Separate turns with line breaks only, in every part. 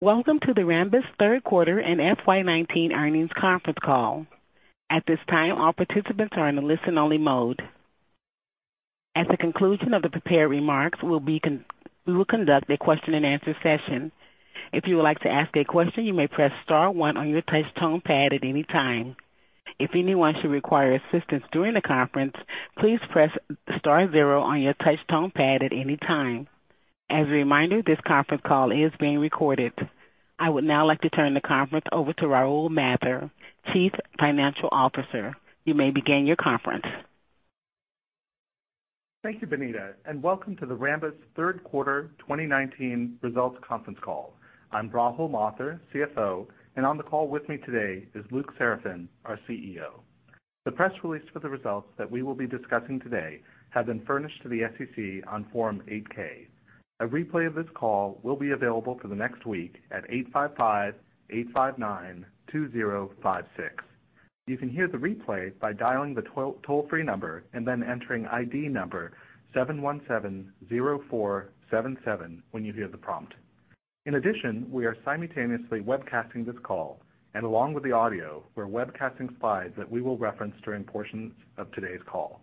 Welcome to the Rambus third quarter and FY 2019 earnings conference call. At this time, all participants are in a listen-only mode. At the conclusion of the prepared remarks, we will conduct a question-and-answer session. If you would like to ask a question, you may press star 1 on your touch tone pad at any time. If anyone should require assistance during the conference, please press star 0 on your touch tone pad at any time. As a reminder, this conference call is being recorded. I would now like to turn the conference over to Rahul Mathur, Chief Financial Officer. You may begin your conference.
Thank you, Bonita, welcome to the Rambus third quarter 2019 results conference call. I'm Rahul Mathur, CFO, and on the call with me today is Luc Seraphin, our CEO. The press release for the results that we will be discussing today have been furnished to the SEC on Form 8-K. A replay of this call will be available for the next week at 855-859-2056. You can hear the replay by dialing the toll-free number and then entering ID number 717-0477 when you hear the prompt. In addition, we are simultaneously webcasting this call, and along with the audio, we're webcasting slides that we will reference during portions of today's call.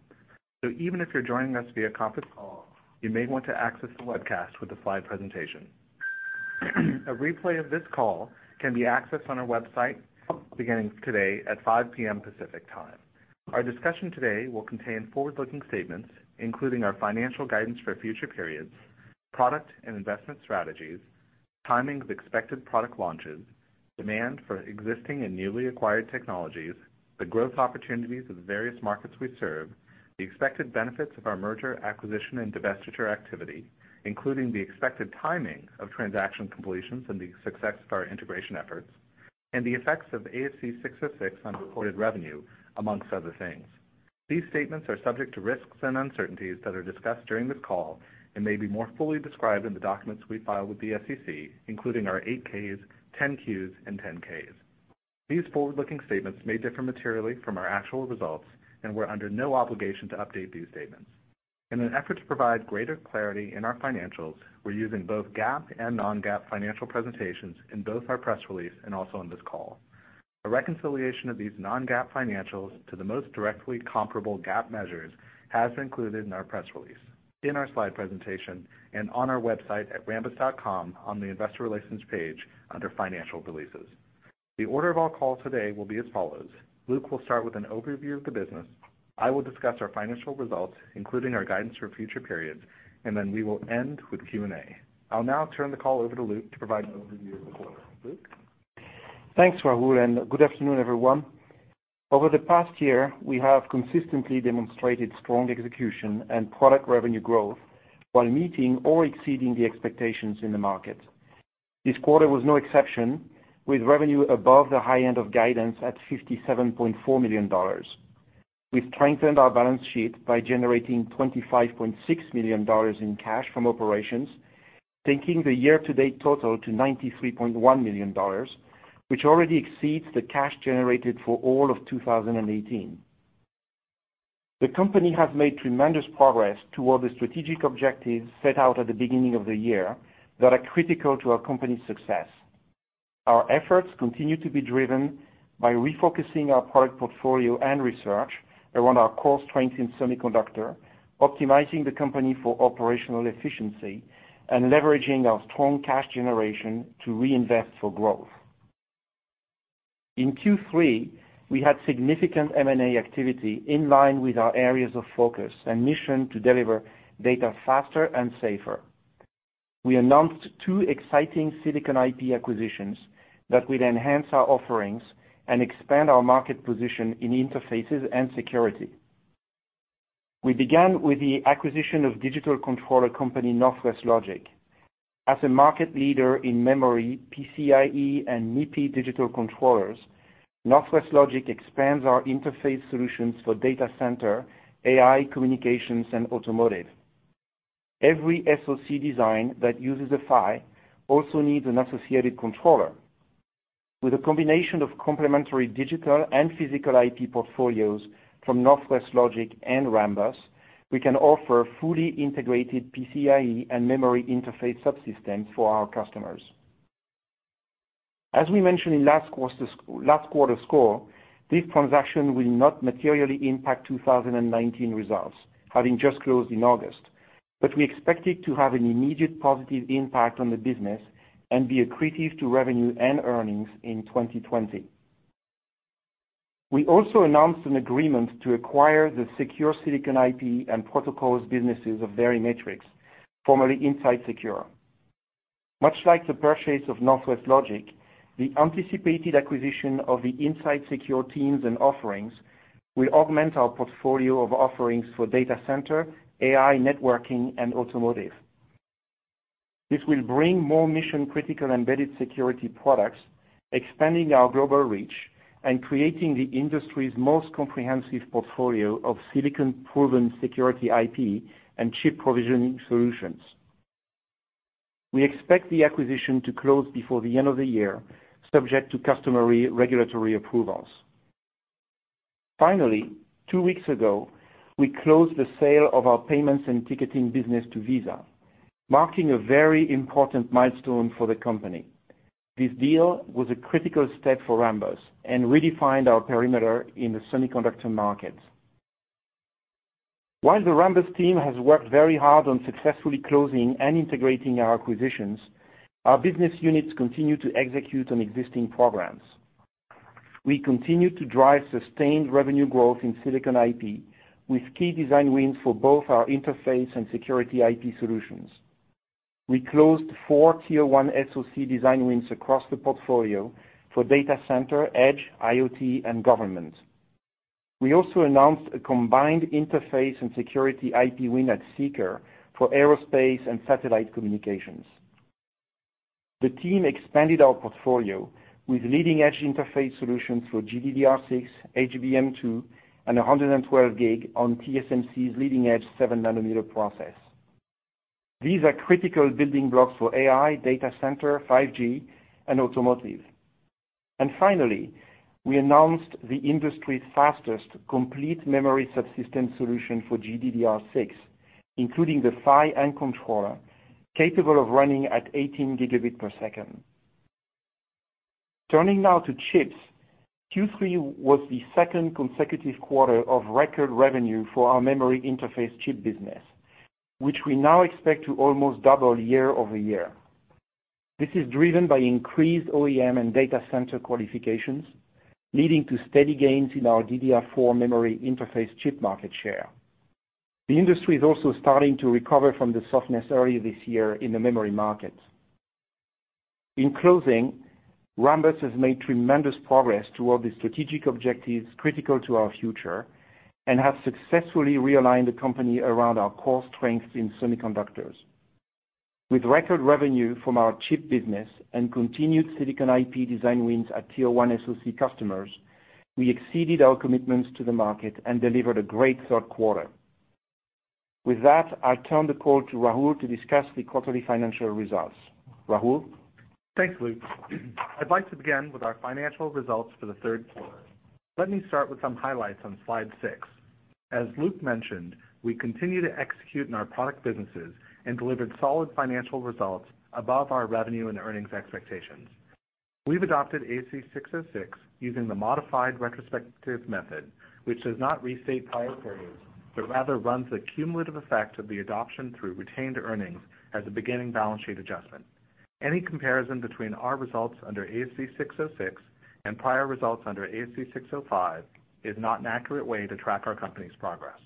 Even if you're joining us via conference call, you may want to access the webcast with the slide presentation. A replay of this call can be accessed on our website beginning today at 5:00 P.M. Pacific Time. Our discussion today will contain forward-looking statements, including our financial guidance for future periods, product and investment strategies, timing of expected product launches, demand for existing and newly acquired technologies, the growth opportunities of the various markets we serve, the expected benefits of our merger, acquisition, and divestiture activity, including the expected timing of transaction completions and the success of our integration efforts, and the effects of ASC 606 on reported revenue, amongst other things. These statements are subject to risks and uncertainties that are discussed during this call and may be more fully described in the documents we file with the SEC, including our 8-Ks, 10-Qs, and 10-Ks. These forward-looking statements may differ materially from our actual results, and we're under no obligation to update these statements. In an effort to provide greater clarity in our financials, we're using both GAAP and non-GAAP financial presentations in both our press release and also on this call. A reconciliation of these non-GAAP financials to the most directly comparable GAAP measures has been included in our press release, in our slide presentation, and on our website at rambus.com on the investor relations page under financial releases. The order of our call today will be as follows: Luc will start with an overview of the business, I will discuss our financial results, including our guidance for future periods, then we will end with Q&A. I'll now turn the call over to Luc to provide an overview of the quarter. Luc?
Thanks, Rahul, and good afternoon, everyone. Over the past year, we have consistently demonstrated strong execution and product revenue growth while meeting or exceeding the expectations in the market. This quarter was no exception, with revenue above the high end of guidance at $57.4 million. We've strengthened our balance sheet by generating $25.6 million in cash from operations, taking the year-to-date total to $93.1 million, which already exceeds the cash generated for all of 2018. The company has made tremendous progress toward the strategic objectives set out at the beginning of the year that are critical to our company's success. Our efforts continue to be driven by refocusing our product portfolio and research around our core strength in semiconductor, optimizing the company for operational efficiency, and leveraging our strong cash generation to reinvest for growth. In Q3, we had significant M&A activity in line with our areas of focus and mission to deliver data faster and safer. We announced two exciting silicon IP acquisitions that will enhance our offerings and expand our market position in interfaces and security. We began with the acquisition of digital controller company Northwest Logic. As a market leader in memory PCIe and MIPI digital controllers, Northwest Logic expands our interface solutions for data center, AI, communications, and automotive. Every SoC design that uses a PHY also needs an associated controller. With a combination of complementary digital and physical IP portfolios from Northwest Logic and Rambus, we can offer fully integrated PCIe and memory interface subsystems for our customers. As we mentioned in last quarter's call, this transaction will not materially impact 2019 results, having just closed in August, but we expect it to have an immediate positive impact on the business and be accretive to revenue and earnings in 2020. We also announced an agreement to acquire the secure silicon IP and protocols businesses of Verimatrix, formerly Inside Secure. Much like the purchase of Northwest Logic, the anticipated acquisition of the Inside Secure teams and offerings will augment our portfolio of offerings for data center, AI, networking, and automotive. This will bring more mission-critical embedded security products, expanding our global reach and creating the industry's most comprehensive portfolio of silicon-proven security IP and chip provisioning solutions. We expect the acquisition to close before the end of the year, subject to customary regulatory approvals. Two weeks ago, we closed the sale of our payments and ticketing business to Visa, marking a very important milestone for the company. This deal was a critical step for Rambus and redefined our perimeter in the semiconductor market. While the Rambus team has worked very hard on successfully closing and integrating our acquisitions, our business units continue to execute on existing programs. We continue to drive sustained revenue growth in silicon IP with key design wins for both our interface and security IP solutions. We closed 4 tier 1 SoC design wins across the portfolio for data center, edge, IoT, and government. We also announced a combined interface and security IP win at SEAKR for aerospace and satellite communications. The team expanded our portfolio with leading-edge interface solutions for GDDR6, HBM2, and 112G on TSMC's leading-edge seven nanometer process. These are critical building blocks for AI, data center, 5G, and automotive. Finally, we announced the industry's fastest complete memory subsystem solution for GDDR6, including the PHY and controller, capable of running at 18 gigabit per second. Turning now to chips. Q3 was the second consecutive quarter of record revenue for our memory interface chip business, which we now expect to almost double year-over-year. This is driven by increased OEM and data center qualifications, leading to steady gains in our DDR4 memory interface chip market share. The industry is also starting to recover from the softness earlier this year in the memory market. In closing, Rambus has made tremendous progress toward the strategic objectives critical to our future and has successfully realigned the company around our core strengths in semiconductors. With record revenue from our chip business and continued silicon IP design wins at tier one SoC customers, we exceeded our commitments to the market and delivered a great third quarter. With that, I turn the call to Rahul to discuss the quarterly financial results. Rahul?
Thanks, Luc. I'd like to begin with our financial results for the third quarter. Let me start with some highlights on slide six. As Luc mentioned, we continue to execute in our product businesses and delivered solid financial results above our revenue and earnings expectations. We've adopted ASC 606 using the modified retrospective method, which does not restate prior periods, but rather runs the cumulative effect of the adoption through retained earnings as a beginning balance sheet adjustment. Any comparison between our results under ASC 606 and prior results under ASC 605 is not an accurate way to track our company's progress.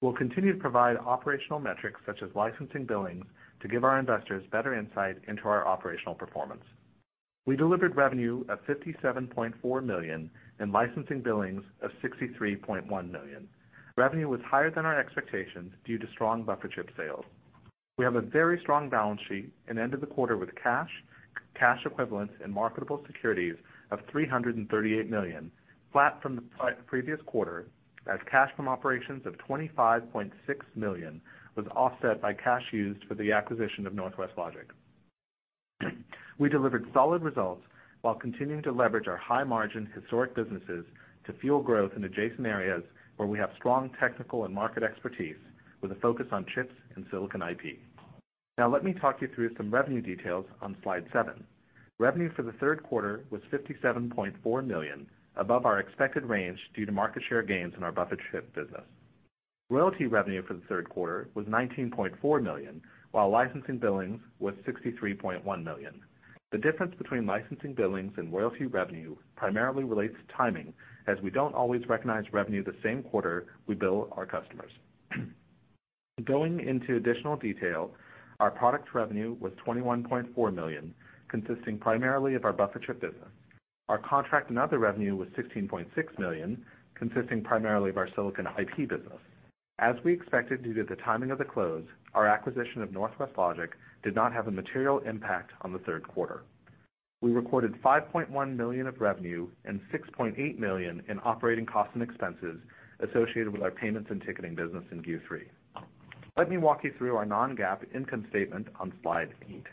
We'll continue to provide operational metrics such as licensing billings to give our investors better insight into our operational performance. We delivered revenue of $57.4 million and licensing billings of $63.1 million. Revenue was higher than our expectations due to strong buffer chip sales. We have a very strong balance sheet and ended the quarter with cash equivalents, and marketable securities of $338 million, flat from the previous quarter as cash from operations of $25.6 million was offset by cash used for the acquisition of Northwest Logic. We delivered solid results while continuing to leverage our high-margin historic businesses to fuel growth in adjacent areas where we have strong technical and market expertise, with a focus on chips and silicon IP. Let me talk you through some revenue details on slide seven. Revenue for the third quarter was $57.4 million, above our expected range due to market share gains in our buffer chip business. Royalty revenue for the third quarter was $19.4 million, while licensing billings was $63.1 million. The difference between licensing billings and royalty revenue primarily relates to timing, as we don't always recognize revenue the same quarter we bill our customers. Going into additional detail, our product revenue was $21.4 million, consisting primarily of our buffer chip business. Our contract and other revenue was $16.6 million, consisting primarily of our silicon IP business. As we expected, due to the timing of the close, our acquisition of Northwest Logic did not have a material impact on the third quarter. We recorded $5.1 million of revenue and $6.8 million in operating costs and expenses associated with our payments and ticketing business in Q3. Let me walk you through our non-GAAP income statement on slide eight.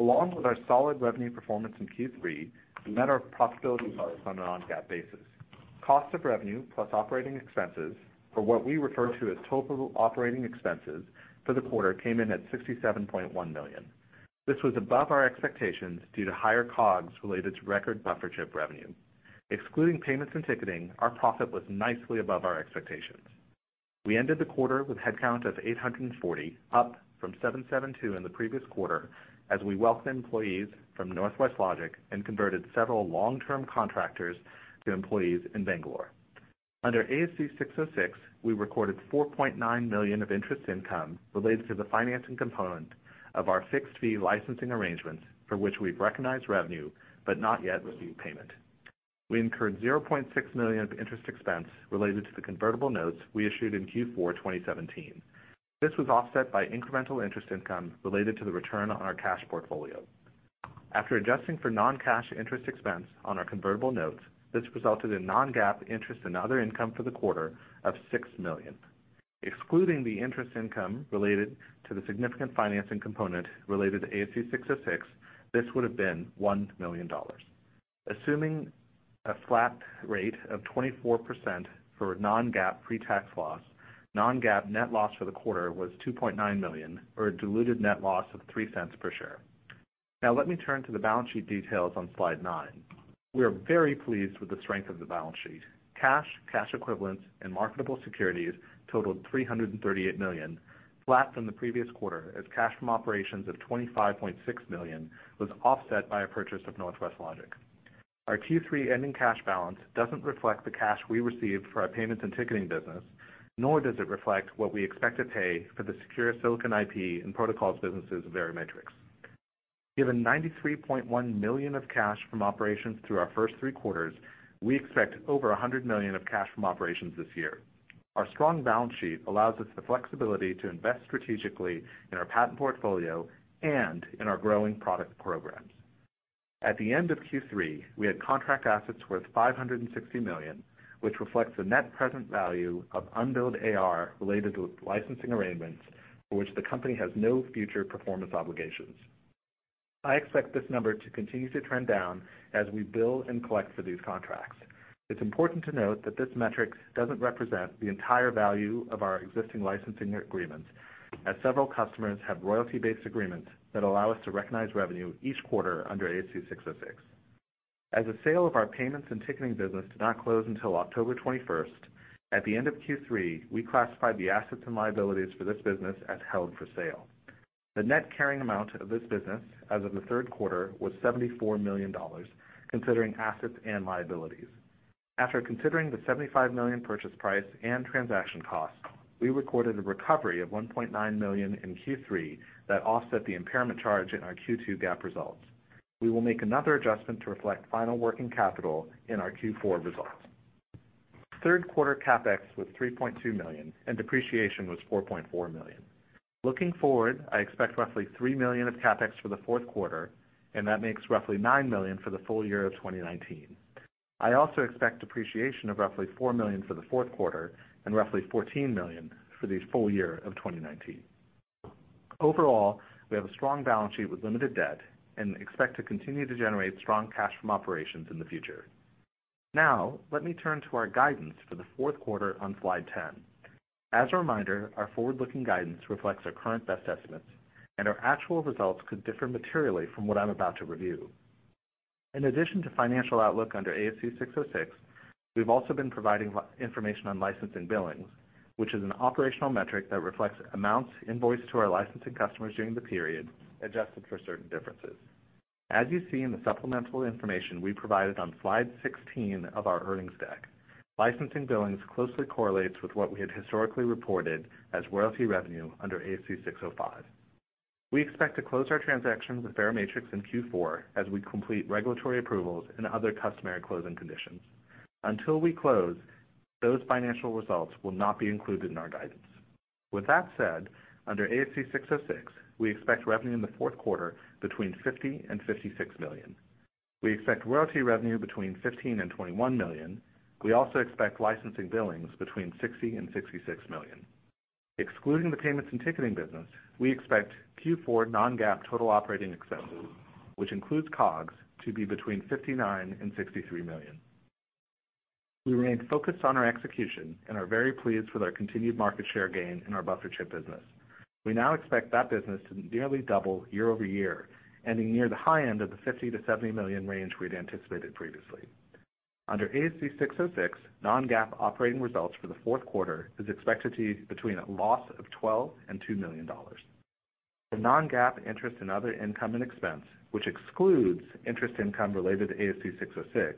Along with our solid revenue performance in Q3, we met our profitability targets on a non-GAAP basis. Cost of revenue plus operating expenses for what we refer to as total operating expenses for the quarter came in at $67.1 million. This was above our expectations due to higher COGS related to record buffer chip revenue. Excluding payments and ticketing, our profit was nicely above our expectations. We ended the quarter with headcount of 840, up from 772 in the previous quarter as we welcomed employees from Northwest Logic and converted several long-term contractors to employees in Bangalore. Under ASC 606, we recorded $4.9 million of interest income related to the financing component of our fixed-fee licensing arrangements, for which we've recognized revenue but not yet received payment. We incurred $0.6 million of interest expense related to the convertible notes we issued in Q4 2017. This was offset by incremental interest income related to the return on our cash portfolio. After adjusting for non-cash interest expense on our convertible notes, this resulted in non-GAAP interest and other income for the quarter of $6 million. Excluding the interest income related to the significant financing component related to ASC 606, this would've been $1 million. Assuming a flat rate of 24% for non-GAAP pre-tax loss, non-GAAP net loss for the quarter was $2.9 million, or a diluted net loss of $0.03 per share. Let me turn to the balance sheet details on slide nine. We are very pleased with the strength of the balance sheet. Cash, cash equivalents, and marketable securities totaled $338 million, flat from the previous quarter as cash from operations of $25.6 million was offset by a purchase of Northwest Logic. Our Q3 ending cash balance doesn't reflect the cash we received for our payments and ticketing business, nor does it reflect what we expect to pay for the secure silicon IP and protocols businesses of Verimatrix. Given $93.1 million of cash from operations through our first three quarters, we expect over $100 million of cash from operations this year. Our strong balance sheet allows us the flexibility to invest strategically in our patent portfolio and in our growing product programs. At the end of Q3, we had contract assets worth $560 million, which reflects the net present value of unbilled AR related to licensing arrangements for which the company has no future performance obligations. I expect this number to continue to trend down as we bill and collect for these contracts. It's important to note that this metric doesn't represent the entire value of our existing licensing agreements, as several customers have royalty-based agreements that allow us to recognize revenue each quarter under ASC 606. As the sale of our payments and ticketing business did not close until October 21st, at the end of Q3, we classified the assets and liabilities for this business as held for sale. The net carrying amount of this business as of the third quarter was $74 million, considering assets and liabilities. After considering the $75 million purchase price and transaction cost, we recorded a recovery of $1.9 million in Q3 that offset the impairment charge in our Q2 GAAP results. We will make another adjustment to reflect final working capital in our Q4 results. Third quarter CapEx was $3.2 million, and depreciation was $4.4 million. Looking forward, I expect roughly $3 million of CapEx for the fourth quarter, and that makes roughly $9 million for the full year of 2019. I also expect depreciation of roughly $4 million for the fourth quarter and roughly $14 million for the full year of 2019. Overall, we have a strong balance sheet with limited debt and expect to continue to generate strong cash from operations in the future. Let me turn to our guidance for the fourth quarter on slide 10. As a reminder, our forward-looking guidance reflects our current best estimates. Our actual results could differ materially from what I'm about to review. In addition to financial outlook under ASC 606, we've also been providing information on licensing billings, which is an operational metric that reflects amounts invoiced to our licensing customers during the period, adjusted for certain differences. As you see in the supplemental information we provided on slide 16 of our earnings deck, licensing billings closely correlates with what we had historically reported as royalty revenue under ASC 605. We expect to close our transaction with Verimatrix in Q4 as we complete regulatory approvals and other customary closing conditions. Until we close, those financial results will not be included in our guidance. With that said, under ASC 606, we expect revenue in the fourth quarter between $50 million and $56 million. We expect royalty revenue between $15 million and $21 million. We also expect licensing billings between $60 million and $66 million. Excluding the payments and ticketing business, we expect Q4 non-GAAP total operating expenses, which includes COGS, to be between $59 million and $63 million. We remain focused on our execution and are very pleased with our continued market share gain in our buffer chip business. We now expect that business to nearly double year-over-year, ending near the high end of the $50 million-$70 million range we'd anticipated previously. Under ASC 606, non-GAAP operating results for the fourth quarter is expected to be between a loss of $12 million and $2 million. For non-GAAP interest and other income and expense, which excludes interest income related to ASC 606,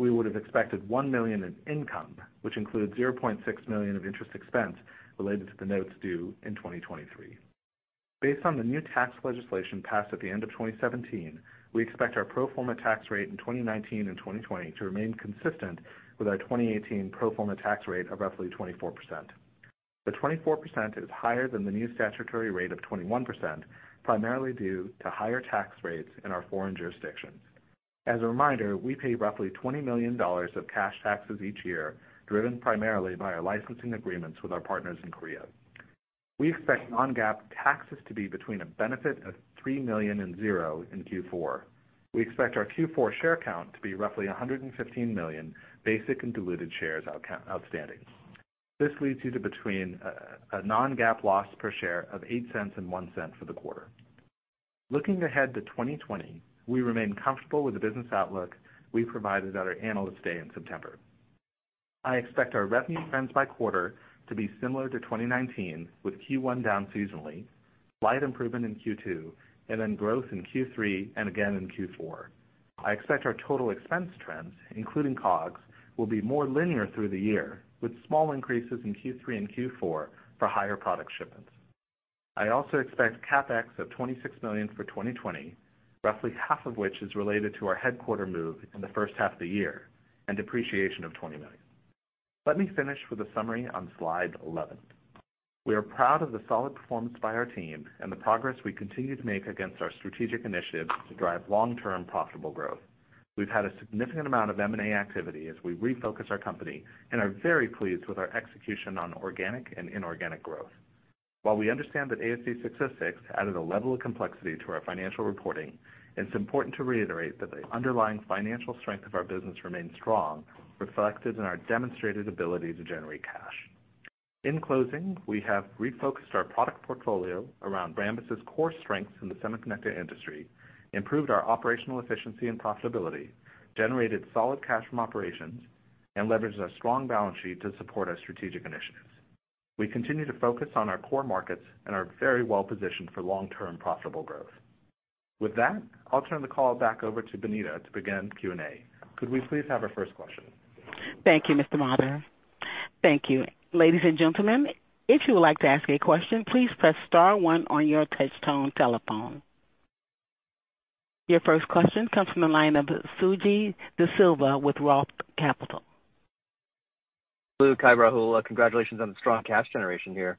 we would've expected $1 million in income, which includes $0.6 million of interest expense related to the notes due in 2023. Based on the new tax legislation passed at the end of 2017, we expect our pro forma tax rate in 2019 and 2020 to remain consistent with our 2018 pro forma tax rate of roughly 24%. The 24% is higher than the new statutory rate of 21%, primarily due to higher tax rates in our foreign jurisdictions. As a reminder, we pay roughly $20 million of cash taxes each year, driven primarily by our licensing agreements with our partners in Korea. We expect non-GAAP taxes to be between a benefit of $3 million and zero in Q4. We expect our Q4 share count to be roughly 115 million basic and diluted shares outstanding. This leads you to between a non-GAAP loss per share of $0.08 and $0.01 for the quarter. Looking ahead to 2020, we remain comfortable with the business outlook we provided at our Analyst Day in September. I expect our revenue trends by quarter to be similar to 2019, with Q1 down seasonally, slight improvement in Q2, and then growth in Q3 and again in Q4. I expect our total expense trends, including COGS, will be more linear through the year, with small increases in Q3 and Q4 for higher product shipments. I also expect CapEx of $26 million for 2020, roughly half of which is related to our headquarter move in the first half of the year, and depreciation of $20 million. Let me finish with a summary on slide 11. We are proud of the solid performance by our team and the progress we continue to make against our strategic initiatives to drive long-term profitable growth. We've had a significant amount of M&A activity as we refocus our company and are very pleased with our execution on organic and inorganic growth. While we understand that ASC 606 added a level of complexity to our financial reporting, it's important to reiterate that the underlying financial strength of our business remains strong, reflected in our demonstrated ability to generate cash. In closing, we have refocused our product portfolio around Rambus core strengths in the semiconductor industry, improved our operational efficiency and profitability, generated solid cash from operations, and leveraged our strong balance sheet to support our strategic initiatives. We continue to focus on our core markets and are very well positioned for long-term profitable growth. With that, I'll turn the call back over to Bonita to begin Q&A. Could we please have our first question?
Thank you, Mr. Mathur. Thank you. Ladies and gentlemen, if you would like to ask a question, please press *1 on your touchtone telephone. Your first question comes from the line of Suji Desilva with ROTH Capital.
Luc, Rahul congratulations on the strong cash generation here.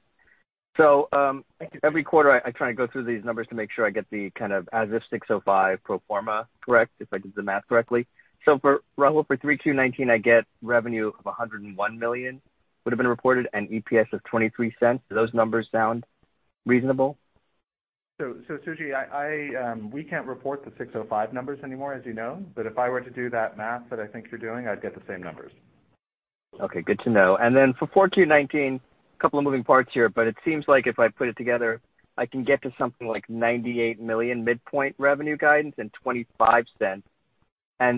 Thank you.
Every quarter I try to go through these numbers to make sure I get the kind of ASC 605 pro forma correct, if I did the math correctly. For Rahul, for 3Q19, I get revenue of $101 million would've been reported and EPS of $0.23. Do those numbers sound reasonable?
Suji, we can't report the 605 numbers anymore, as you know, but if I were to do that math that I think you're doing, I'd get the same numbers.
Okay, good to know. For 4Q 2019, a couple of moving parts here, but it seems like if I put it together, I can get to something like $98 million midpoint revenue guidance and $0.25.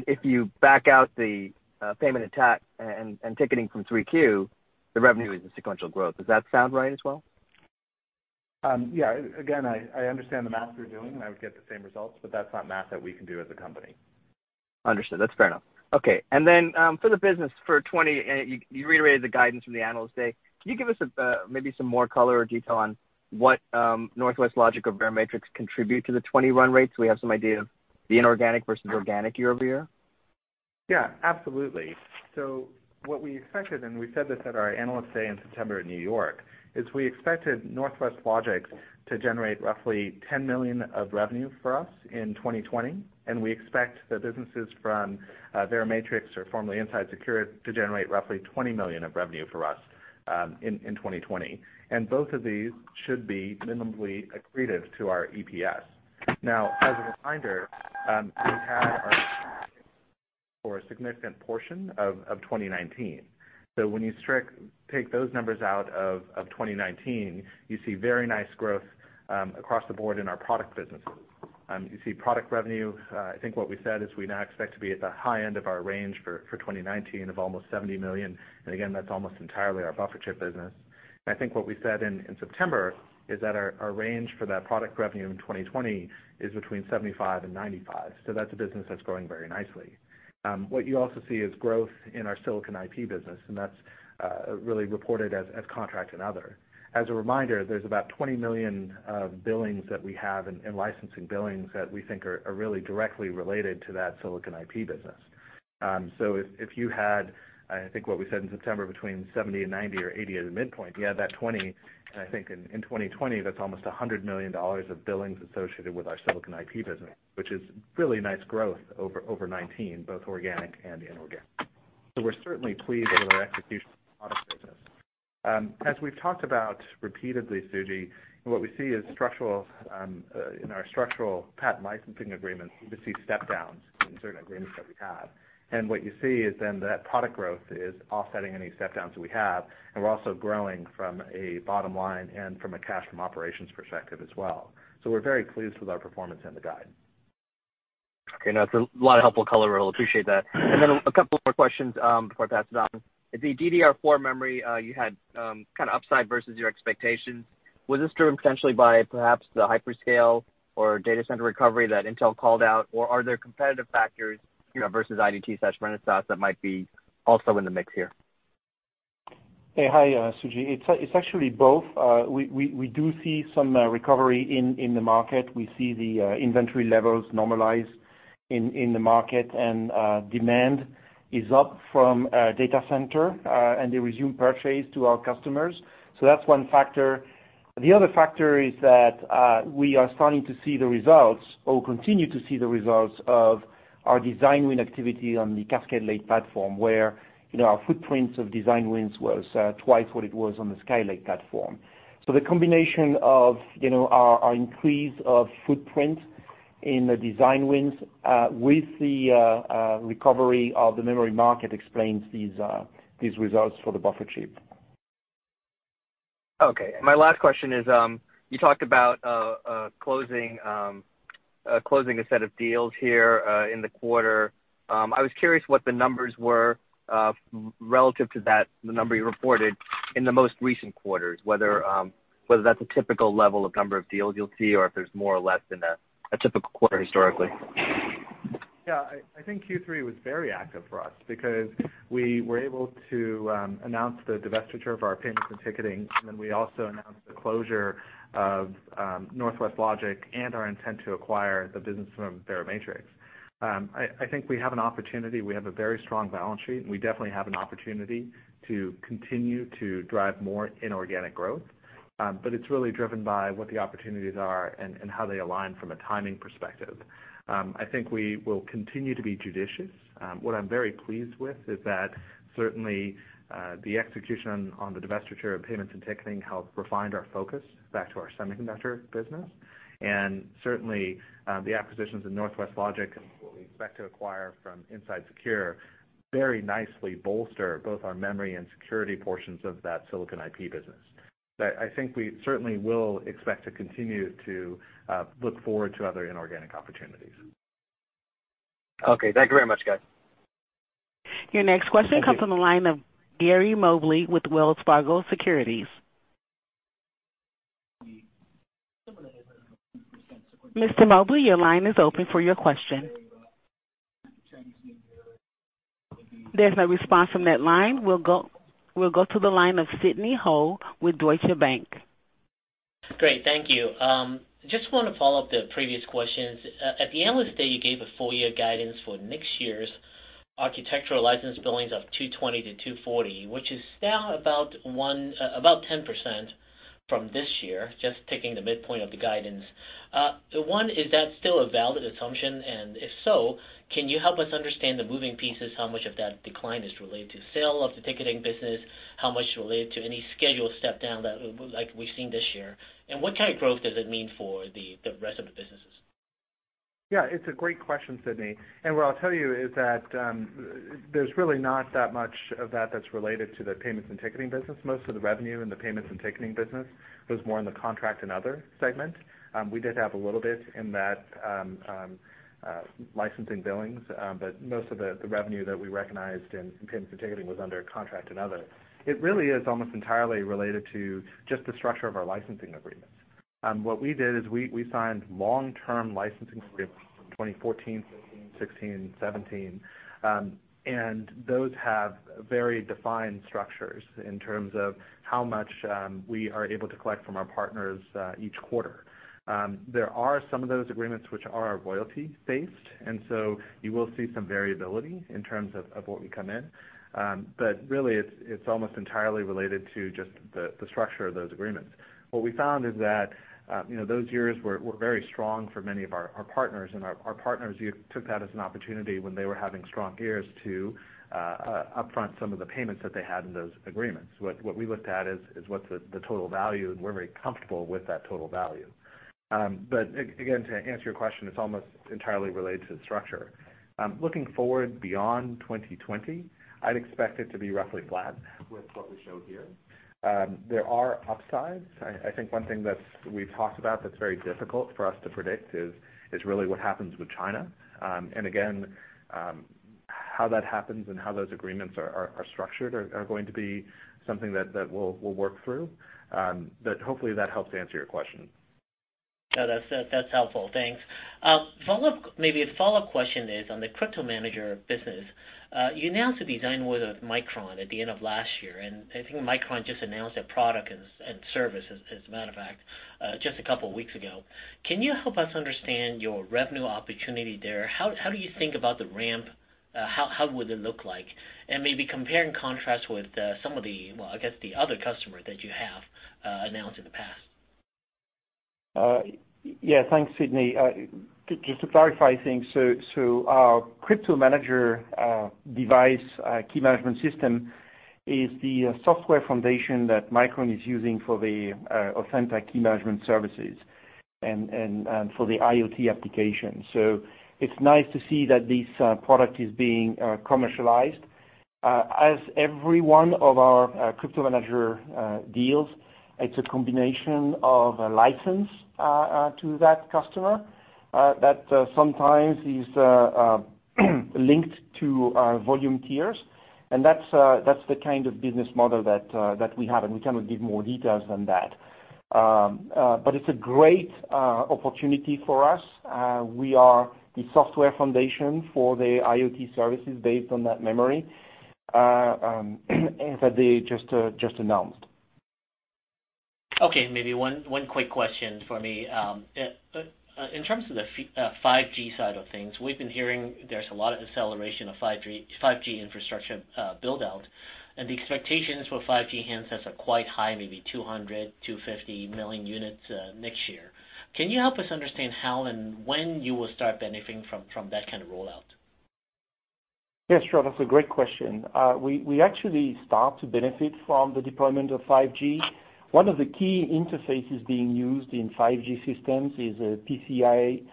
If you back out the payments and ticketing from 3Q, the revenue is in sequential growth. Does that sound right as well?
Yeah. Again, I understand the math you're doing, and I would get the same results, but that's not math that we can do as a company.
Understood. That's fair enough. Okay. For the business for 2020, you reiterated the guidance from the Analyst Day. Can you give us maybe some more color or detail on what Northwest Logic or Verimatrix contribute to the 2020 run rates so we have some idea of the inorganic versus organic year-over-year?
Yeah, absolutely. What we expected, and we said this at our Analyst Day in September in New York, is we expected Northwest Logic to generate roughly $10 million of revenue for us in 2020, and we expect the businesses from Verimatrix, or formerly Inside Secure, to generate roughly $20 million of revenue for us in 2020. Both of these should be minimally accretive to our EPS. As a reminder, we had our for a significant portion of 2019. When you take those numbers out of 2019, you see very nice growth across the board in our product businesses. You see product revenue. I think what we said is we now expect to be at the high end of our range for 2019 of almost $70 million. Again, that's almost entirely our buffer chip business. I think what we said in September is that our range for that product revenue in 2020 is between $75 million and $95 million. That's a business that's growing very nicely. What you also see is growth in our silicon IP business, and that's really reported as contract and other. As a reminder, there's about $20 million of billings that we have in licensing billings that we think are really directly related to that silicon IP business. If you had, I think what we said in September, between $70 million and $90 million or $80 million as a midpoint, you add that $20 million, and I think in 2020, that's almost $100 million of billings associated with our silicon IP business, which is really nice growth over 2019, both organic and inorganic. We're certainly pleased with our execution in the product business. As we've talked about repeatedly, Suji, what we see is in our structural patent licensing agreements, we just see step downs in certain agreements that we have. What you see is then that product growth is offsetting any step downs that we have, and we're also growing from a bottom line and from a cash from operations perspective as well. We're very pleased with our performance and the guide.
Okay. No, it's a lot of helpful color, Rahul. Appreciate that. A couple more questions before I pass it on. The DDR4 memory, you had kind of upside versus your expectations. Was this driven potentially by perhaps the hyperscale or data center recovery that Intel called out? Are there competitive factors versus IDT/Renesas that might be also in the mix here?
Hey, hi, Suji. It's actually both. We do see some recovery in the market. We see the inventory levels normalize in the market, and demand is up from data center, and they resume purchase to our customers. That's one factor. The other factor is that we are starting to see the results, or continue to see the results, of our design win activity on the Cascade Lake platform, where our footprints of design wins was twice what it was on the Skylake platform. The combination of our increase of footprint in the design wins with the recovery of the memory market explains these results for the buffer chip.
Okay. My last question is, you talked about closing a set of deals here in the quarter. I was curious what the numbers were relative to that, the number you reported in the most recent quarters, whether that's a typical level of number of deals you'll see or if there's more or less than a typical quarter historically.
Yeah, I think Q3 was very active for us because we were able to announce the divestiture of our payments and ticketing, and then we also announced the closure of Northwest Logic and our intent to acquire the business from Verimatrix. I think we have an opportunity. We have a very strong balance sheet, and we definitely have an opportunity to continue to drive more inorganic growth. It's really driven by what the opportunities are and how they align from a timing perspective. I think we will continue to be judicious. What I'm very pleased with is that certainly, the execution on the divestiture of payments and ticketing helped refined our focus back to our semiconductor business. Certainly, the acquisitions of Northwest Logic and what we expect to acquire from Inside Secure very nicely bolster both our memory and security portions of that silicon IP business. I think we certainly will expect to continue to look forward to other inorganic opportunities.
Okay. Thank you very much, guys.
Your next question comes from the line of Gary Mobley with Wells Fargo Securities. Mr. Mobley, your line is open for your question. There's no response from that line. We'll go to the line of Sidney Ho with Deutsche Bank.
Great. Thank you. Just want to follow up the previous questions. At the end of the day, you gave a full year guidance for next year's architectural license billings of $220 million-$240 million, which is down about 10% from this year, just taking the midpoint of the guidance. One, is that still a valid assumption? If so, can you help us understand the moving pieces, how much of that decline is related to sale of the ticketing business, how much related to any schedule step down that like we've seen this year? What kind of growth does it mean for the rest of the businesses?
Yeah, it's a great question, Sidney. What I'll tell you is that there's really not that much of that that's related to the payments and ticketing business. Most of the revenue in the payments and ticketing business was more in the Contract and Other Segment. We did have a little bit in that licensing billings, but most of the revenue that we recognized in payments and ticketing was under Contract and Other. It really is almost entirely related to just the structure of our licensing agreements. What we did is we signed long-term licensing agreements for 2014, 2015, 2016, and 2017. Those have very defined structures in terms of how much we are able to collect from our partners each quarter. There are some of those agreements which are royalty-based, and so you will see some variability in terms of what we come in. Really, it's almost entirely related to just the structure of those agreements. What we found is that those years were very strong for many of our partners, and our partners took that as an opportunity when they were having strong years to upfront some of the payments that they had in those agreements. What we looked at is what's the total value, and we're very comfortable with that total value. Again, to answer your question, it's almost entirely related to the structure. Looking forward beyond 2020, I'd expect it to be roughly flat with what we show here. There are upsides. I think one thing that we've talked about that's very difficult for us to predict is really what happens with China. Again, how that happens and how those agreements are structured are going to be something that we'll work through. Hopefully, that helps answer your question.
No, that's helpful. Thanks. Maybe a follow-up question is on the CryptoManager business. You announced a design win with Micron at the end of last year, and I think Micron just announced a product and service as a matter of fact, just a couple of weeks ago. Can you help us understand your revenue opportunity there? How do you think about the ramp? How would it look like? Maybe compare and contrast with some of the, well, I guess the other customer that you have announced in the past.
Yeah. Thanks, Sidney. Just to clarify things, our CryptoManager device key management system is the software foundation that Micron is using for the authentic key management services and for the IoT application. It's nice to see that this product is being commercialized. As every one of our CryptoManager deals, it's a combination of a license to that customer that sometimes is linked to volume tiers, that's the kind of business model that we have, we cannot give more details than that. It's a great opportunity for us. We are the software foundation for the IoT services based on that memory that they just announced.
Okay, maybe one quick question for me. In terms of the 5G side of things, we've been hearing there's a lot of acceleration of 5G infrastructure build-out, and the expectations for 5G handsets are quite high, maybe 200, 250 million units next year. Can you help us understand how and when you will start benefiting from that kind of rollout?
Yes, sure. That's a great question. We actually start to benefit from the deployment of 5G. One of the key interfaces being used in 5G systems is a PCIe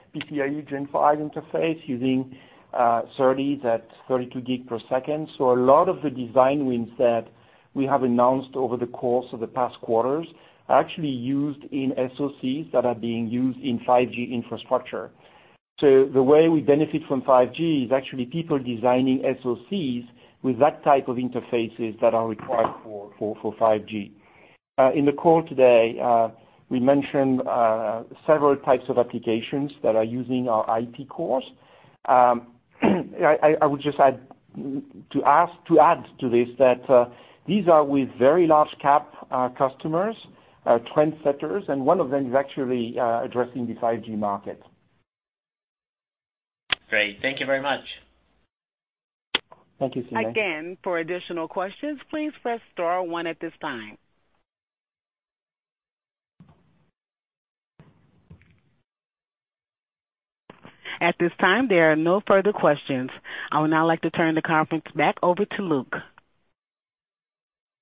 Gen 5 interface using SerDes at 32 gig per second. A lot of the design wins that we have announced over the course of the past quarters are actually used in SoCs that are being used in 5G infrastructure. The way we benefit from 5G is actually people designing SoCs with that type of interfaces that are required for 5G. In the call today, we mentioned several types of applications that are using our IP cores. I would just like to add to this that these are with very large cap customers, trendsetters, and one of them is actually addressing the 5G market.
Great. Thank you very much.
Thank you, Sidney.
Again, for additional questions, please press star one at this time. At this time, there are no further questions. I would now like to turn the conference back over to Luc.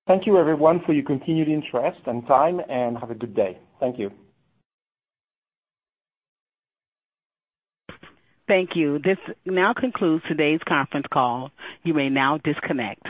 Thank you, everyone, for your continued interest and time. Have a good day. Thank you.
Thank you. This now concludes today's conference call. You may now disconnect.